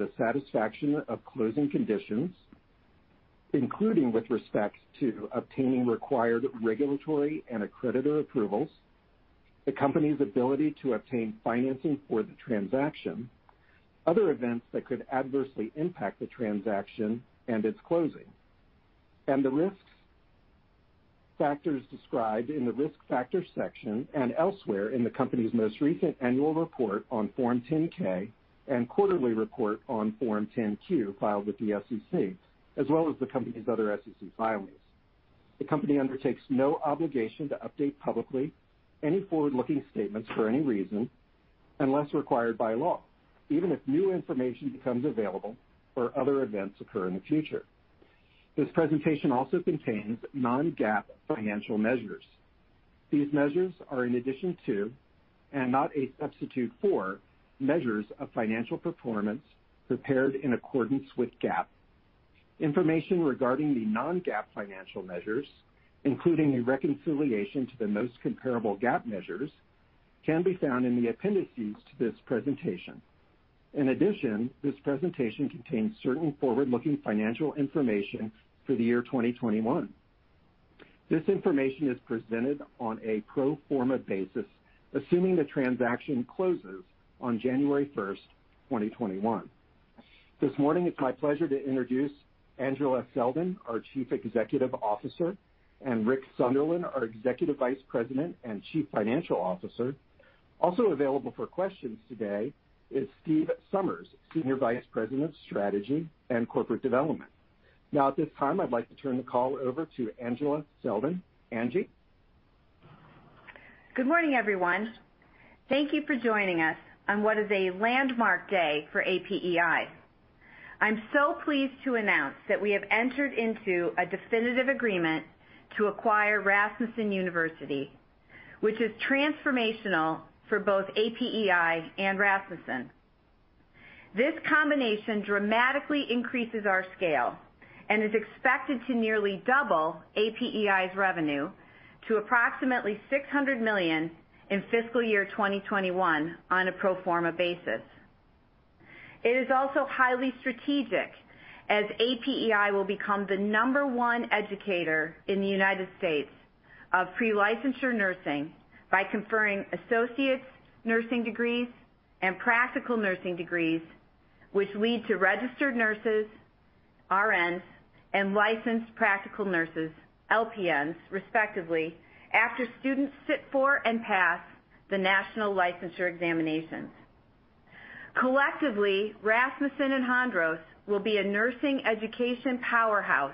The satisfaction of closing conditions, including with respect to obtaining required regulatory and accreditor approvals, the company's ability to obtain financing for the transaction, other events that could adversely impact the transaction and its closing, and the risk factors described in the Risk Factors section and elsewhere in the company's most recent annual report on Form 10-K and quarterly report on Form 10-Q, filed with the SEC, as well as the company's other SEC filings. The company undertakes no obligation to update publicly any forward-looking statements for any reason, unless required by law, even if new information becomes available or other events occur in the future. This presentation also contains non-GAAP financial measures. These measures are in addition to, and not a substitute for, measures of financial performance prepared in accordance with GAAP. Information regarding the non-GAAP financial measures, including a reconciliation to the most comparable GAAP measures, can be found in the appendices to this presentation. In addition, this presentation contains certain forward-looking financial information for the year 2021. This information is presented on a pro forma basis, assuming the transaction closes on January 1st, 2021. This morning, it's my pleasure to introduce Angela Selden, our Chief Executive Officer, and Rick Sunderland, our Executive Vice President and Chief Financial Officer. Also available for questions today is Steve Somers, Senior Vice President of Strategy and Corporate Development. Now, at this time, I'd like to turn the call over to Angela Selden. Angie? Good morning, everyone. Thank you for joining us on what is a landmark day for APEI. I'm so pleased to announce that we have entered into a definitive agreement to acquire Rasmussen University, which is transformational for both APEI and Rasmussen. This combination dramatically increases our scale and is expected to nearly double APEI's revenue to approximately $600 million in fiscal year 2021 on a pro forma basis. It is also highly strategic, as APEI will become the number one educator in the United States of pre-licensure nursing by conferring associates nursing degrees and practical nursing degrees, which lead to registered nurses, RNs, and licensed practical nurses, LPNs, respectively, after students sit for and pass the national licensure examinations. Collectively, Rasmussen and Hondros will be a nursing education powerhouse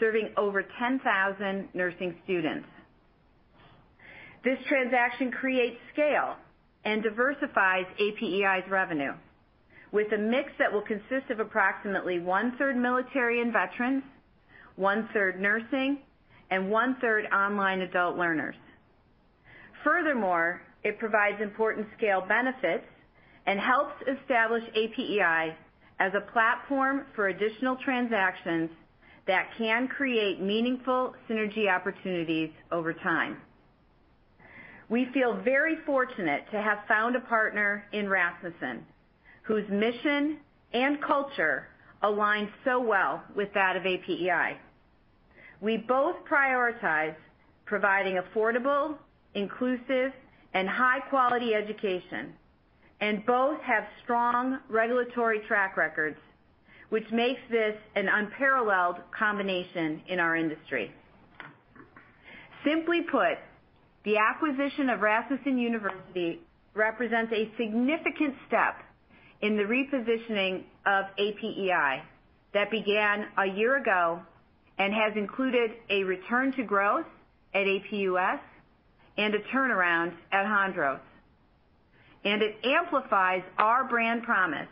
serving over 10,000 nursing students. This transaction creates scale and diversifies APEI's revenue with a mix that will consist of approximately 1/3 military and veterans, 1/3 nursing, and 1/3 Online adult learners. Furthermore, it provides important scale benefits and helps establish APEI as a platform for additional transactions that can create meaningful synergy opportunities over time. We feel very fortunate to have found a partner in Rasmussen, whose mission and culture aligns so well with that of APEI. We both prioritize providing affordable, inclusive, and high quality education, and both have strong regulatory track records, which makes this an unparalleled combination in our industry. Simply put, the acquisition of Rasmussen University represents a significant step in the repositioning of APEI that began a year ago and has included a return to growth at APUS and a turnaround at Hondros. It amplifies our brand promise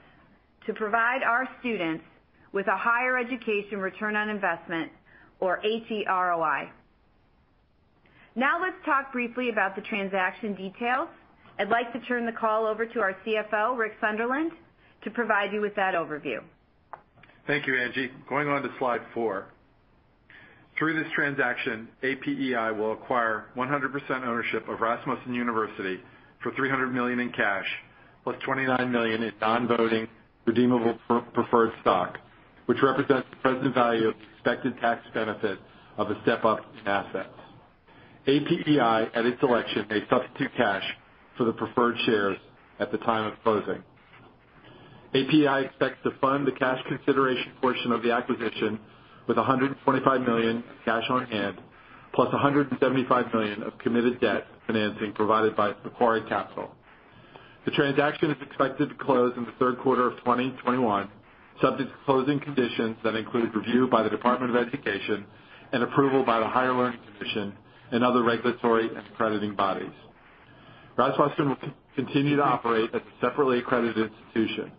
to provide our students with a higher education return on investment or HEROI. Let's talk briefly about the transaction details. I'd like to turn the call over to our CFO, Rick Sunderland, to provide you with that overview. Thank you, Angie. Going on to slide four. Through this transaction, APEI will acquire 100% ownership of Rasmussen University for $300 million in cash, plus $29 million in non-voting redeemable preferred stock, which represents the present value of the expected tax benefit of a step-up in assets. APEI, at its election, may substitute cash for the preferred shares at the time of closing. APEI expects to fund the cash consideration portion of the acquisition with $125 million cash on hand, plus $175 million of committed debt financing provided by Macquarie Capital. The transaction is expected to close in the third quarter of 2021, subject to closing conditions that include review by the Department of Education and approval by the Higher Learning Commission and other regulatory and accrediting bodies. Rasmussen will continue to operate as a separately accredited institution.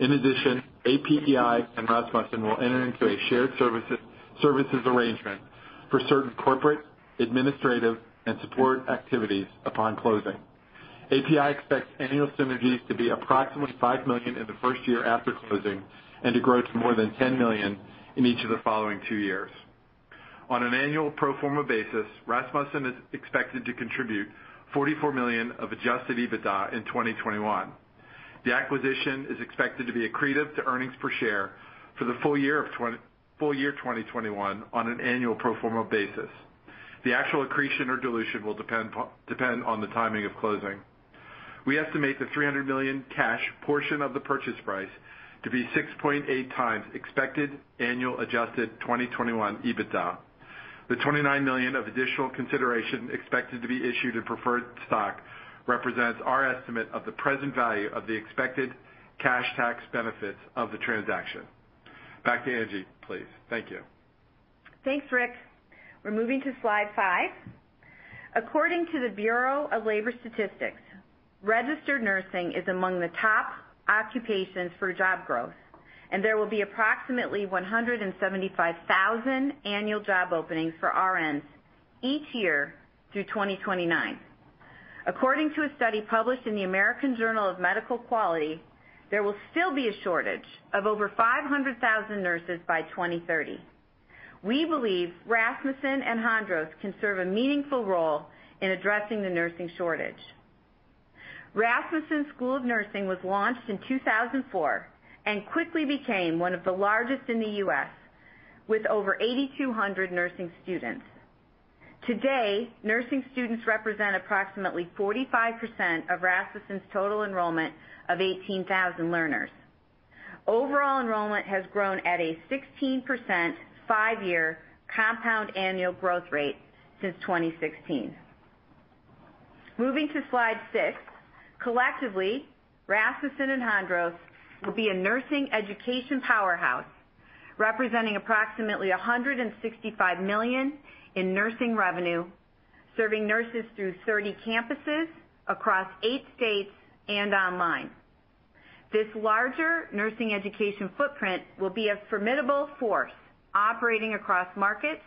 APEI and Rasmussen will enter into a shared services arrangement for certain corporate, administrative, and support activities upon closing. APEI expects annual synergies to be approximately $5 million in the first year after closing and to grow to more than $10 million in each of the following two years. On an annual pro forma basis, Rasmussen is expected to contribute $44 million of adjusted EBITDA in 2021. The acquisition is expected to be accretive to earnings per share for the full year 2021 on an annual pro forma basis. The actual accretion or dilution will depend on the timing of closing. We estimate the $300 million cash portion of the purchase price to be 6.8x expected annual adjusted 2021 EBITDA. The $29 million of additional consideration expected to be issued in preferred stock represents our estimate of the present value of the expected cash tax benefits of the transaction. Back to Angie, please. Thank you. Thanks, Rick. We're moving to slide five. According to the Bureau of Labor Statistics, registered nursing is among the top occupations for job growth, and there will be approximately 175,000 annual job openings for RNs each year through 2029. According to a study published in the American Journal of Medical Quality, there will still be a shortage of over 500,000 nurses by 2030. We believe Rasmussen and Hondros can serve a meaningful role in addressing the nursing shortage. Rasmussen School of Nursing was launched in 2004, and quickly became one of the largest in the U.S., with over 8,200 nursing students. Today, nursing students represent approximately 45% of Rasmussen's total enrollment of 18,000 learners. Overall enrollment has grown at a 16% five-year compound annual growth rate since 2016. Moving to slide six. Collectively, Rasmussen and Hondros will be a nursing education powerhouse, representing approximately $165 million in nursing revenue, serving nurses through 30 campuses across eight states and online. This larger nursing education footprint will be a formidable force operating across markets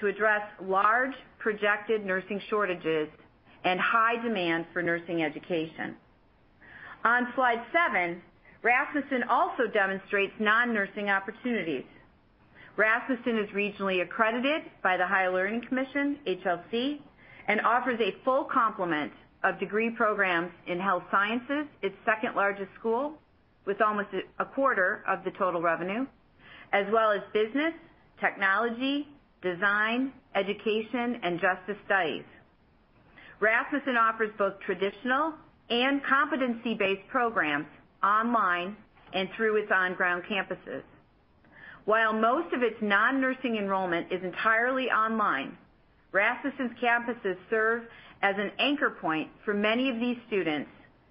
to address large projected nursing shortages and high demand for nursing education. On slide seven, Rasmussen also demonstrates non-nursing opportunities. Rasmussen is regionally accredited by the Higher Learning Commission, HLC, and offers a full complement of degree programs in health sciences, its second-largest school, with almost a quarter of the total revenue, as well as business, technology, design, education, and justice studies. Rasmussen offers both traditional and competency-based programs online and through its on-ground campuses. While most of its non-nursing enrollment is entirely online, Rasmussen's campuses serve as an anchor point for many of these students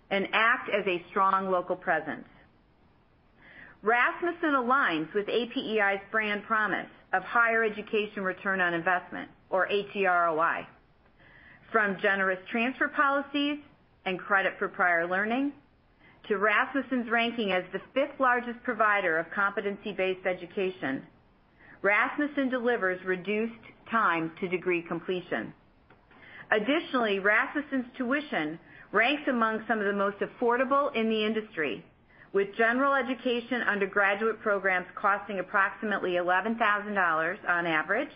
and act as a strong local presence. Rasmussen aligns with APEI's brand promise of Higher Education Return on Investment, or HEROI. From generous transfer policies and credit for prior learning to Rasmussen's ranking as the fifth-largest provider of competency-based education, Rasmussen delivers reduced time to degree completion. Additionally, Rasmussen's tuition ranks among some of the most affordable in the industry, with general education undergraduate programs costing approximately $11,000 on average,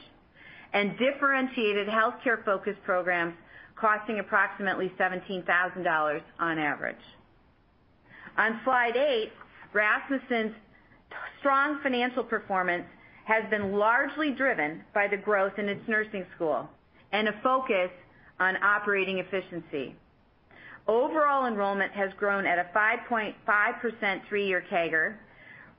and differentiated healthcare-focused programs costing approximately $17,000 on average. On slide eight, Rasmussen's strong financial performance has been largely driven by the growth in its nursing school and a focus on operating efficiency. Overall enrollment has grown at a 5.5% three-year CAGR,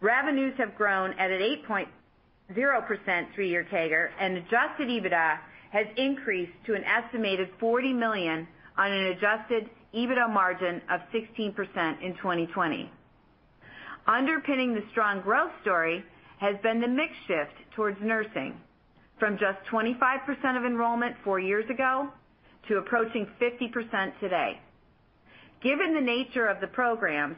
revenues have grown at an 8.0% three-year CAGR, and adjusted EBITDA has increased to an estimated $40 million on an adjusted EBITDA margin of 16% in 2020. Underpinning the strong growth story has been the mix shift towards nursing from just 25% of enrollment four years ago to approaching 50% today. Given the nature of the programs,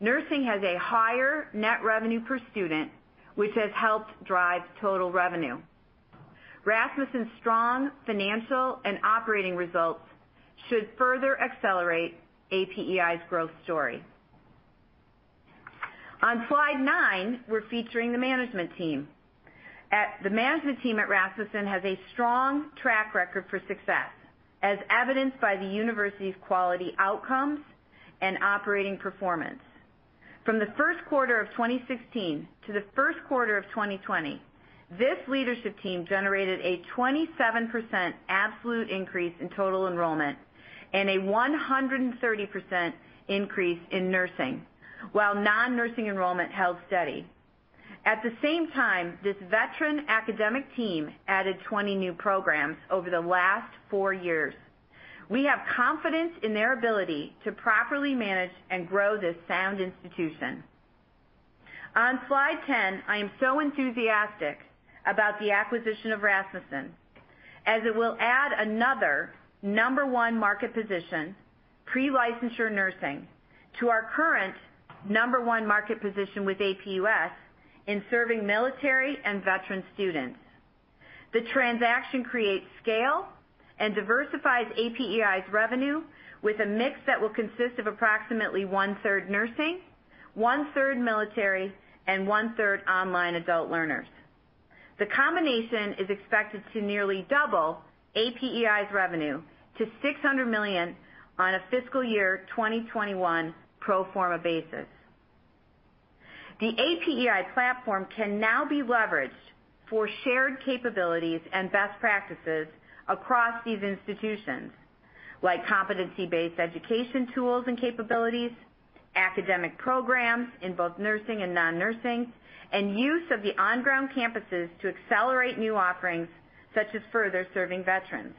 nursing has a higher net revenue per student, which has helped drive total revenue. Rasmussen's strong financial and operating results should further accelerate APEI's growth story. On slide nine, we're featuring the management team. The management team at Rasmussen has a strong track record for success, as evidenced by the university's quality outcomes and operating performance. From the first quarter of 2016 to the first quarter of 2020, this leadership team generated a 27% absolute increase in total enrollment and a 130% increase in nursing, while non-nursing enrollment held steady. At the same time, this veteran academic team added 20 new programs over the last four years. We have confidence in their ability to properly manage and grow this sound institution. On slide 10, I am so enthusiastic about the acquisition of Rasmussen, as it will add another number one market position, pre-licensure nursing, to our current number one market position with APUS in serving military and veteran students. The transaction creates scale and diversifies APEI's revenue with a mix that will consist of approximately 1/3 nursing, 1/3 military and 1/3 online adult learners. The combination is expected to nearly double APEI's revenue to $600 million on a fiscal year 2021 pro forma basis. The APEI platform can now be leveraged for shared capabilities and best practices across these institutions, like competency-based education tools and capabilities, academic programs in both nursing and non-nursing, and use of the on-ground campuses to accelerate new offerings, such as further serving veterans.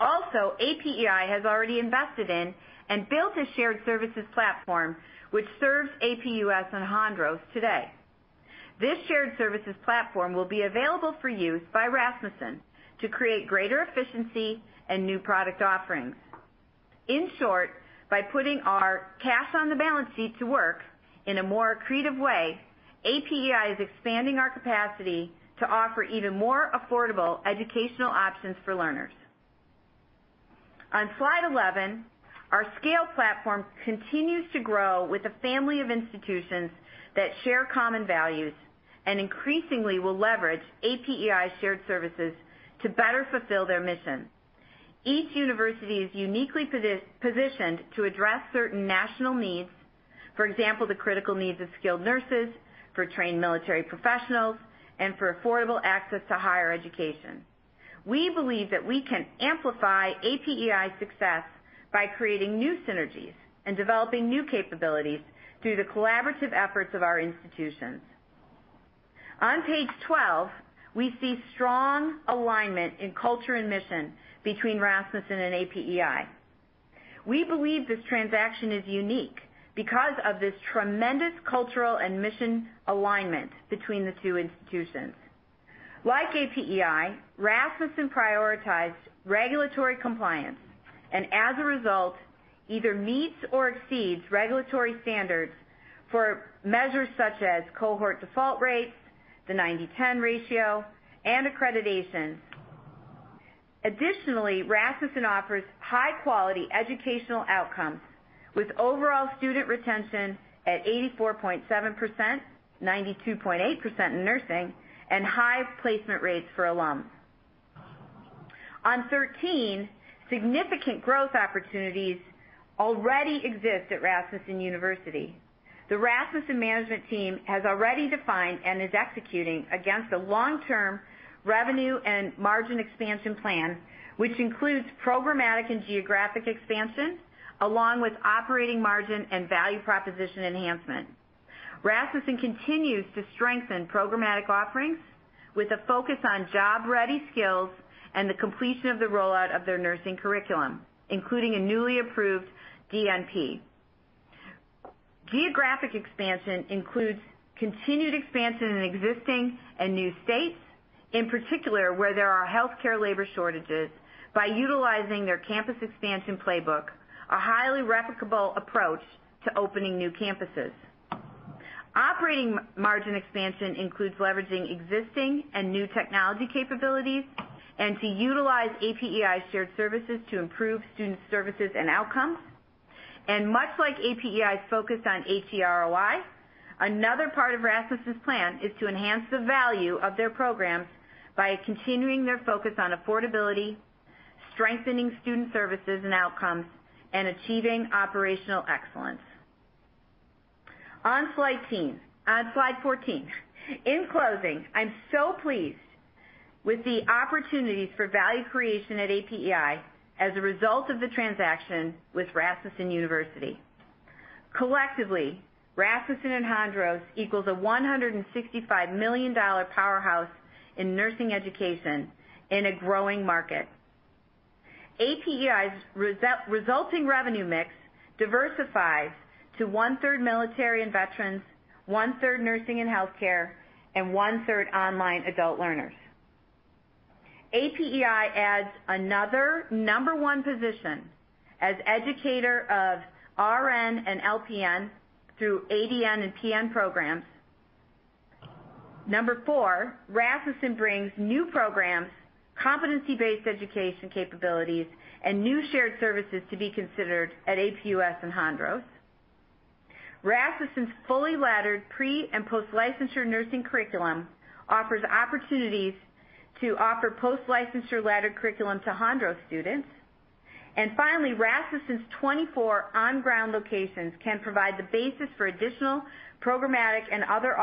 APEI has already invested in and built a shared services platform which serves APUS and Hondros today. This shared services platform will be available for use by Rasmussen to create greater efficiency and new product offerings. In short, by putting our cash on the balance sheet to work in a more accretive way, APEI is expanding our capacity to offer even more affordable educational options for learners. On slide 11, our scale platform continues to grow with a family of institutions that share common values and increasingly will leverage APEI shared services to better fulfill their mission. Each university is uniquely positioned to address certain national needs, for example, the critical needs of skilled nurses, for trained military professionals, and for affordable access to higher education. We believe that we can amplify APEI's success by creating new synergies and developing new capabilities through the collaborative efforts of our institutions. On page 12, we see strong alignment in culture and mission between Rasmussen and APEI. We believe this transaction is unique because of this tremendous cultural and mission alignment between the two institutions. Like APEI, Rasmussen prioritized regulatory compliance and, as a result, either meets or exceeds regulatory standards for measures such as cohort default rates, the 90:10 ratio, and accreditations. Additionally, Rasmussen offers high-quality educational outcomes with overall student retention at 84.7%, 92.8% in nursing, and high placement rates for alums. On 13, significant growth opportunities already exist at Rasmussen University. The Rasmussen management team has already defined and is executing against a long-term revenue and margin expansion plan, which includes programmatic and geographic expansion, along with operating margin and value proposition enhancement. Rasmussen continues to strengthen programmatic offerings with a focus on job-ready skills and the completion of the rollout of their nursing curriculum, including a newly approved DNP. Geographic expansion includes continued expansion in existing and new states, in particular, where there are healthcare labor shortages, by utilizing their campus expansion playbook, a highly replicable approach to opening new campuses. Operating margin expansion includes leveraging existing and new technology capabilities and to utilize APEI shared services to improve student services and outcomes. Much like APEI's focus on HEROI, another part of Rasmussen's plan is to enhance the value of their programs by continuing their focus on affordability, strengthening student services and outcomes, and achieving operational excellence. On slide 14, in closing, I'm so pleased with the opportunities for value creation at APEI as a result of the transaction with Rasmussen University. Collectively, Rasmussen and Hondros equals a $165 million powerhouse in nursing education in a growing market. APEI's resulting revenue mix diversifies to 1/3 military and veterans, 1/3 nursing and healthcare, and 1/3 online adult learners. APEI adds another number one position as educator of RN and LPN through ADN and PN programs. Number four, Rasmussen brings new programs, competency-based education capabilities, and new shared services to be considered at APUS and Hondros. Rasmussen's fully laddered pre and post-licensure nursing curriculum offers opportunities to offer post-licensure laddered curriculum to Hondros students. Finally, Rasmussen's 24 on-ground locations can provide the basis for additional programmatic and other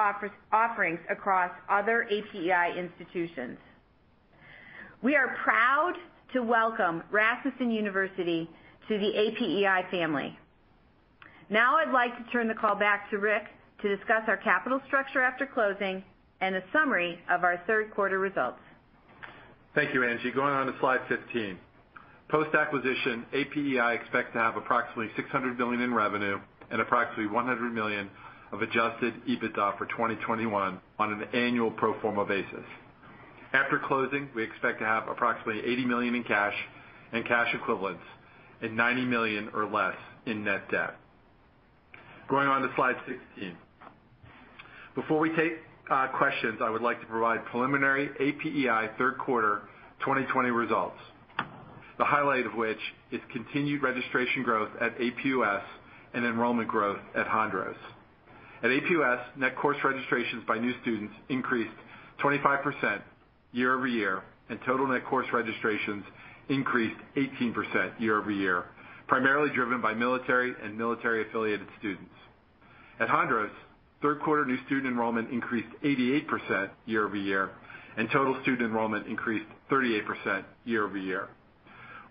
offerings across other APEI institutions. We are proud to welcome Rasmussen University to the APEI family. Now I'd like to turn the call back to Rick to discuss our capital structure after closing and a summary of our third quarter results. Thank you, Angie. Going on to slide 15. Post-acquisition, APEI expects to have approximately $600 million in revenue and approximately $100 million of adjusted EBITDA for 2021 on an annual pro forma basis. After closing, we expect to have approximately $80 million in cash and cash equivalents and $90 million or less in net debt. Going on to slide 16. Before we take questions, I would like to provide preliminary APEI third quarter 2020 results, the highlight of which is continued registration growth at APUS and enrollment growth at Hondros. At APUS, net course registrations by new students increased 25% year-over-year, and total net course registrations increased 18% year-over-year, primarily driven by military and military-affiliated students. At Hondros, third quarter new student enrollment increased 88% year-over-year, and total student enrollment increased 38% year-over-year.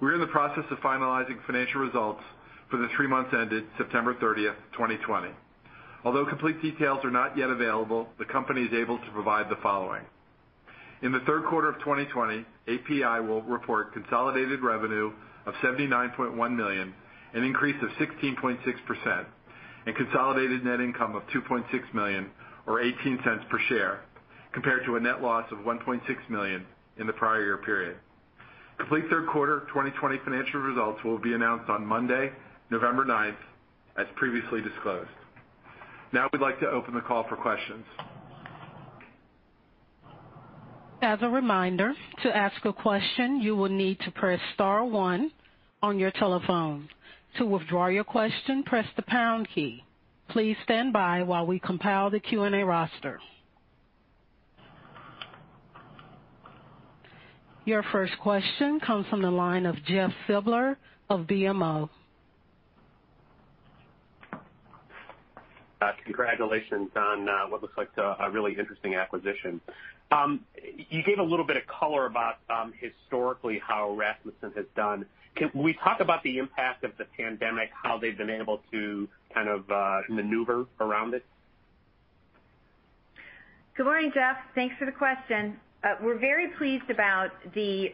We are in the process of finalizing financial results for the three months ended September 30th, 2020. Although complete details are not yet available, the company is able to provide the following. In the third quarter of 2020, APEI will report consolidated revenue of $79.1 million, an increase of 16.6%, and consolidated net income of $2.6 million, or $0.18 per share, compared to a net loss of $1.6 million in the prior year period. Complete third quarter 2020 financial results will be announced on Monday, November 9th, as previously disclosed. Now we'd like to open the call for questions. As a reminder to ask a question, you will need to press star one on your telephone. To withdraw your question, press the pound key. Please stand by while we compile the Q&A roster. Your first question comes from the line of Jeff Silber of BMO. Congratulations on what looks like a really interesting acquisition. You gave a little bit of color about historically how Rasmussen has done. Can we talk about the impact of the pandemic, how they've been able to kind of maneuver around it? Good morning, Jeff. Thanks for the question. We're very pleased about the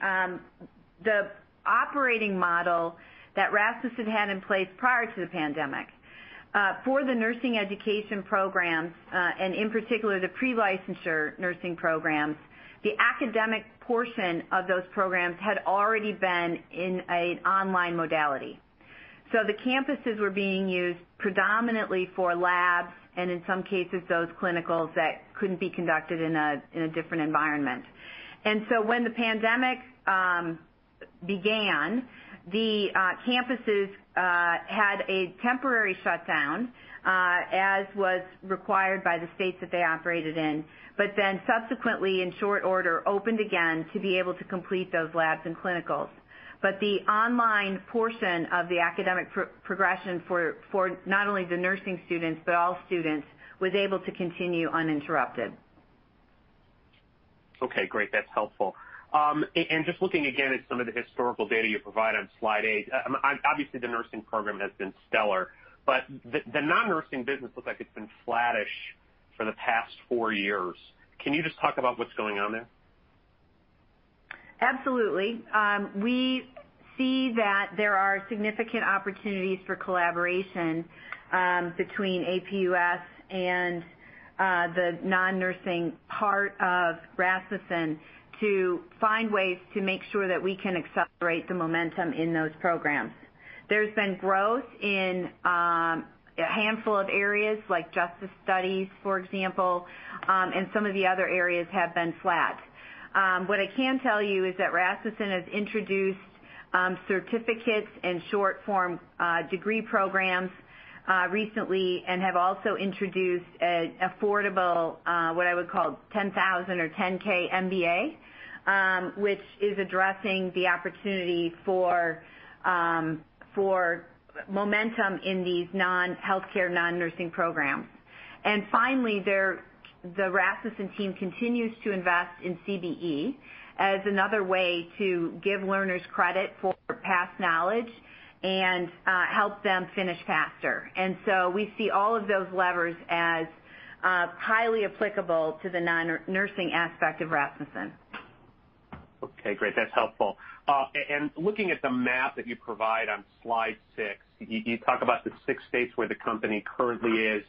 operating model that Rasmussen had in place prior to the pandemic. For the nursing education programs, in particular, the pre-licensure nursing programs, the academic portion of those programs had already been in an online modality. The campuses were being used predominantly for labs and in some cases, those clinicals that couldn't be conducted in a different environment. When the pandemic began, the campuses had a temporary shutdown, as was required by the states that they operated in, subsequently, in short order, opened again to be able to complete those labs and clinicals. The online portion of the academic progression for not only the nursing students, but all students, was able to continue uninterrupted. Okay, great. That's helpful. Just looking again at some of the historical data you provide on slide eight, obviously the nursing program has been stellar, but the non-nursing business looks like it's been flattish for the past four years. Can you just talk about what's going on there? Absolutely. We see that there are significant opportunities for collaboration between APUS and the non-nursing part of Rasmussen to find ways to make sure that we can accelerate the momentum in those programs. There's been growth in a handful of areas, like Justice Studies, for example, and some of the other areas have been flat. What I can tell you is that Rasmussen has introduced certificates and short-form degree programs recently and have also introduced an affordable, what I would call $10,000 or $10K MBA, which is addressing the opportunity for momentum in these non-healthcare, non-nursing programs. Finally, the Rasmussen team continues to invest in CBE as another way to give learners credit for past knowledge and help them finish faster. So we see all of those levers as highly applicable to the non-nursing aspect of Rasmussen. Okay, great. That's helpful. Looking at the map that you provide on slide six, you talk about the six states where the company currently is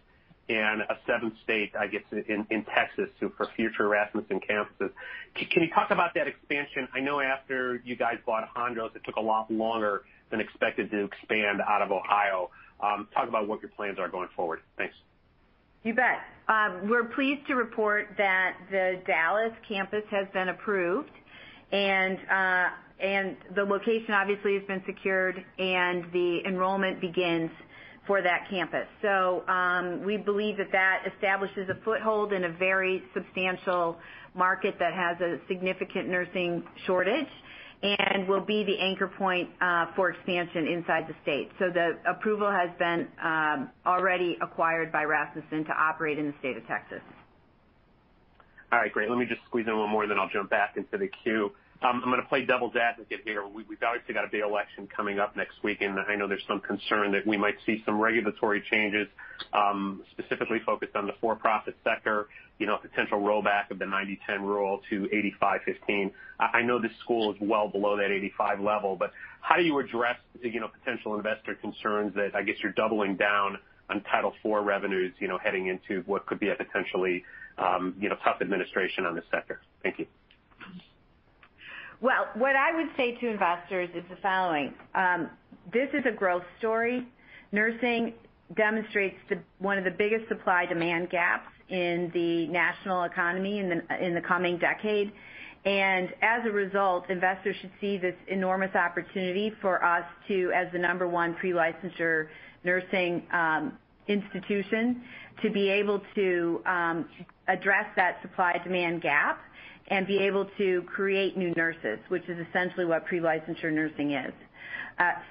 and a seventh state, I guess, in Texas for future Rasmussen campuses. Can you talk about that expansion? I know after you guys bought Hondros, it took a lot longer than expected to expand out of Ohio. Talk about what your plans are going forward. Thanks. You bet. We're pleased to report that the Dallas campus has been approved, and the location obviously has been secured, and the enrollment begins for that campus. We believe that that establishes a foothold in a very substantial market that has a significant nursing shortage and will be the anchor point for expansion inside the state. The approval has been already acquired by Rasmussen to operate in the state of Texas. All right, great. Let me just squeeze in one more, then I'll jump back into the queue. I'm going to play devil's advocate here. We've obviously got a big election coming up next week, I know there's some concern that we might see some regulatory changes, specifically focused on the for-profit sector, a potential rollback of the 90/10 rule to 85/15. I know this school is well below that 85 level, how do you address potential investor concerns that, I guess, you're doubling down on Title IV revenues heading into what could be a potentially tough administration on this sector? Thank you. Well, what I would say to investors is the following. This is a growth story. Nursing demonstrates one of the biggest supply-demand gaps in the national economy in the coming decade. As a result, investors should see this enormous opportunity for us to, as the number one pre-licensure nursing institution, to be able to address that supply-demand gap and be able to create new nurses, which is essentially what pre-licensure nursing is.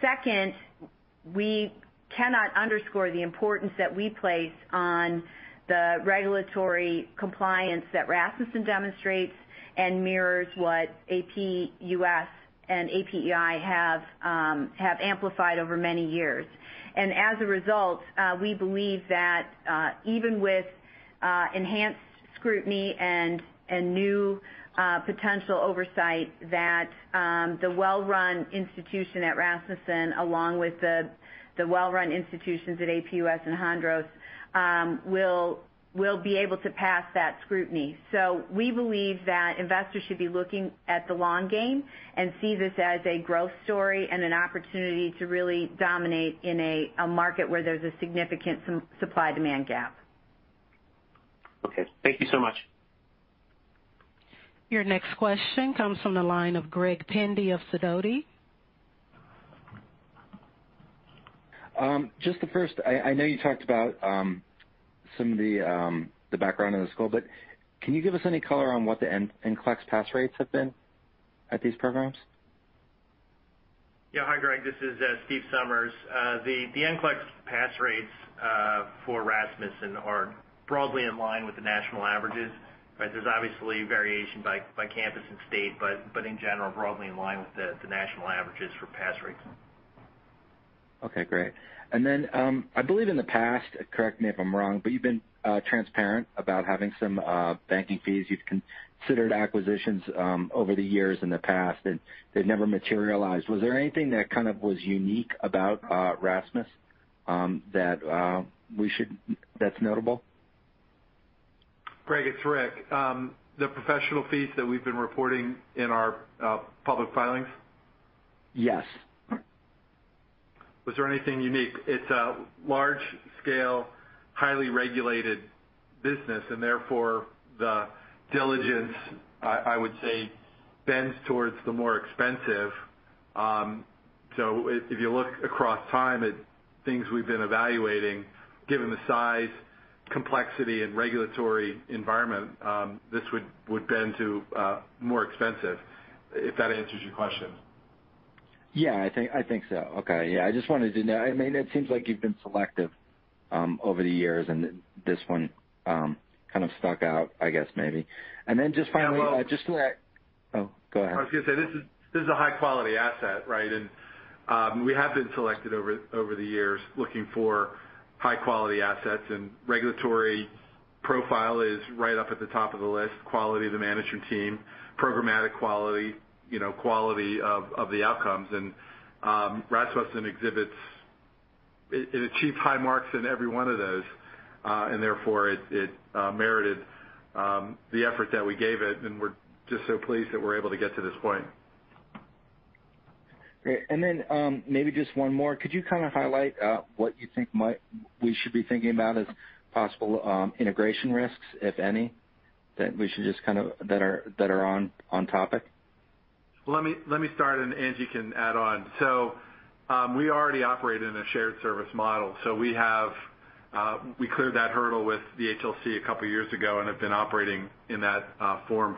Second, we cannot underscore the importance that we place on the regulatory compliance that Rasmussen demonstrates and mirrors what APUS and APEI have amplified over many years. As a result, we believe that even with enhanced scrutiny and new potential oversight, that the well-run institution at Rasmussen, along with the well-run institutions at APUS and Hondros, will be able to pass that scrutiny. We believe that investors should be looking at the long game and see this as a growth story and an opportunity to really dominate in a market where there's a significant supply-demand gap. Okay. Thank you so much. Your next question comes from the line of Greg Pendy of Sidoti. Just the first, I know you talked about some of the background of the school. Can you give us any color on what the NCLEX pass rates have been at these programs? Hi, Greg. This is Steve Somers. The NCLEX pass rates for Rasmussen are broadly in line with the national averages, but there's obviously variation by campus and state, but in general, broadly in line with the national averages for pass rates. Okay, great. I believe in the past, correct me if I'm wrong, but you've been transparent about having some banking fees. You've considered acquisitions over the years in the past, and they've never materialized. Was there anything that was unique about Rasmussen that's notable? Greg, it's Rick. The professional fees that we've been reporting in our public filings? Yes. Was there anything unique? Therefore the diligence, I would say, bends towards the more expensive. If you look across time at things we've been evaluating, given the size, complexity, and regulatory environment, this would bend to more expensive, if that answers your question. Yeah, I think so. Okay. Yeah, I just wanted to know. It seems like you've been selective over the years, and this one kind of stuck out, I guess maybe. Just finally. And well- Oh, go ahead. I was gonna say, this is a high-quality asset, right? We have been selected over the years looking for high-quality assets, and regulatory profile is right up at the top of the list. Quality of the management team, programmatic quality of the outcomes. Rasmussen exhibits, it achieved high marks in every one of those. Therefore it merited the effort that we gave it, and we're just so pleased that we're able to get to this point. Great. Maybe just one more. Could you highlight what you think we should be thinking about as possible integration risks, if any, that are on topic? Let me start, Angie can add on. We already operate in a shared service model. We cleared that hurdle with the HLC a couple of years ago and have been operating in that form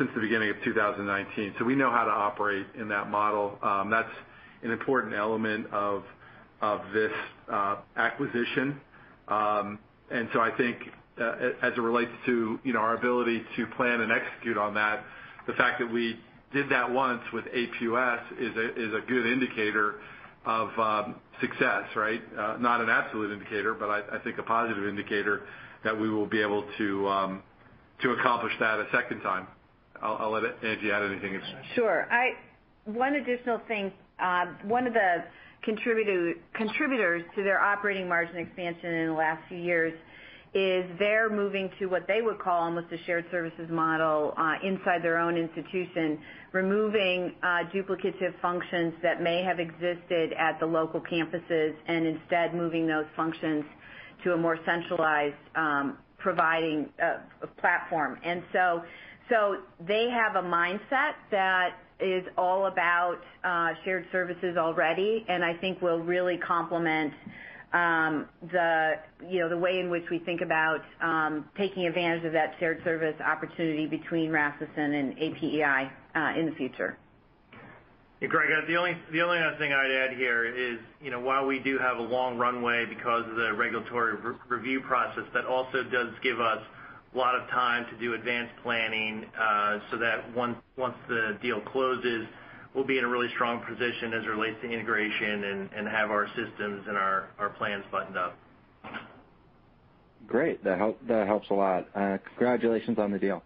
since the beginning of 2019. We know how to operate in that model. That's an important element of this acquisition. I think, as it relates to our ability to plan and execute on that, the fact that we did that once with APUS is a good indicator of success, right? Not an absolute indicator, but I think a positive indicator that we will be able to accomplish that a second time. I'll let Angie add anything. Sure. One additional thing. One of the contributors to their operating margin expansion in the last few years is their moving to what they would call almost a shared services model inside their own institution, removing duplicative functions that may have existed at the local campuses, and instead moving those functions to a more centralized providing platform. They have a mindset that is all about shared services already and I think will really complement the way in which we think about taking advantage of that shared service opportunity between Rasmussen and APEI in the future. Yeah, Greg, the only other thing I'd add here is, while we do have a long runway because of the regulatory review process, that also does give us a lot of time to do advanced planning, so that once the deal closes, we'll be in a really strong position as it relates to integration and have our systems and our plans buttoned up. Great. That helps a lot. Congratulations on the deal.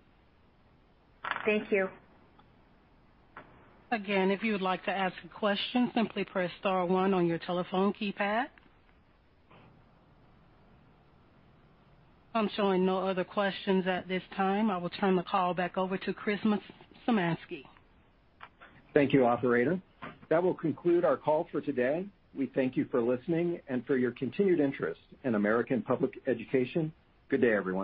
Thank you. Again, if you would like to ask a question, simply press star one on your telephone keypad. I'm showing no other questions at this time. I will turn the call back over to Chris Symanoskie. Thank you, operator. That will conclude our call for today. We thank you for listening and for your continued interest in American Public Education. Good day, everyone.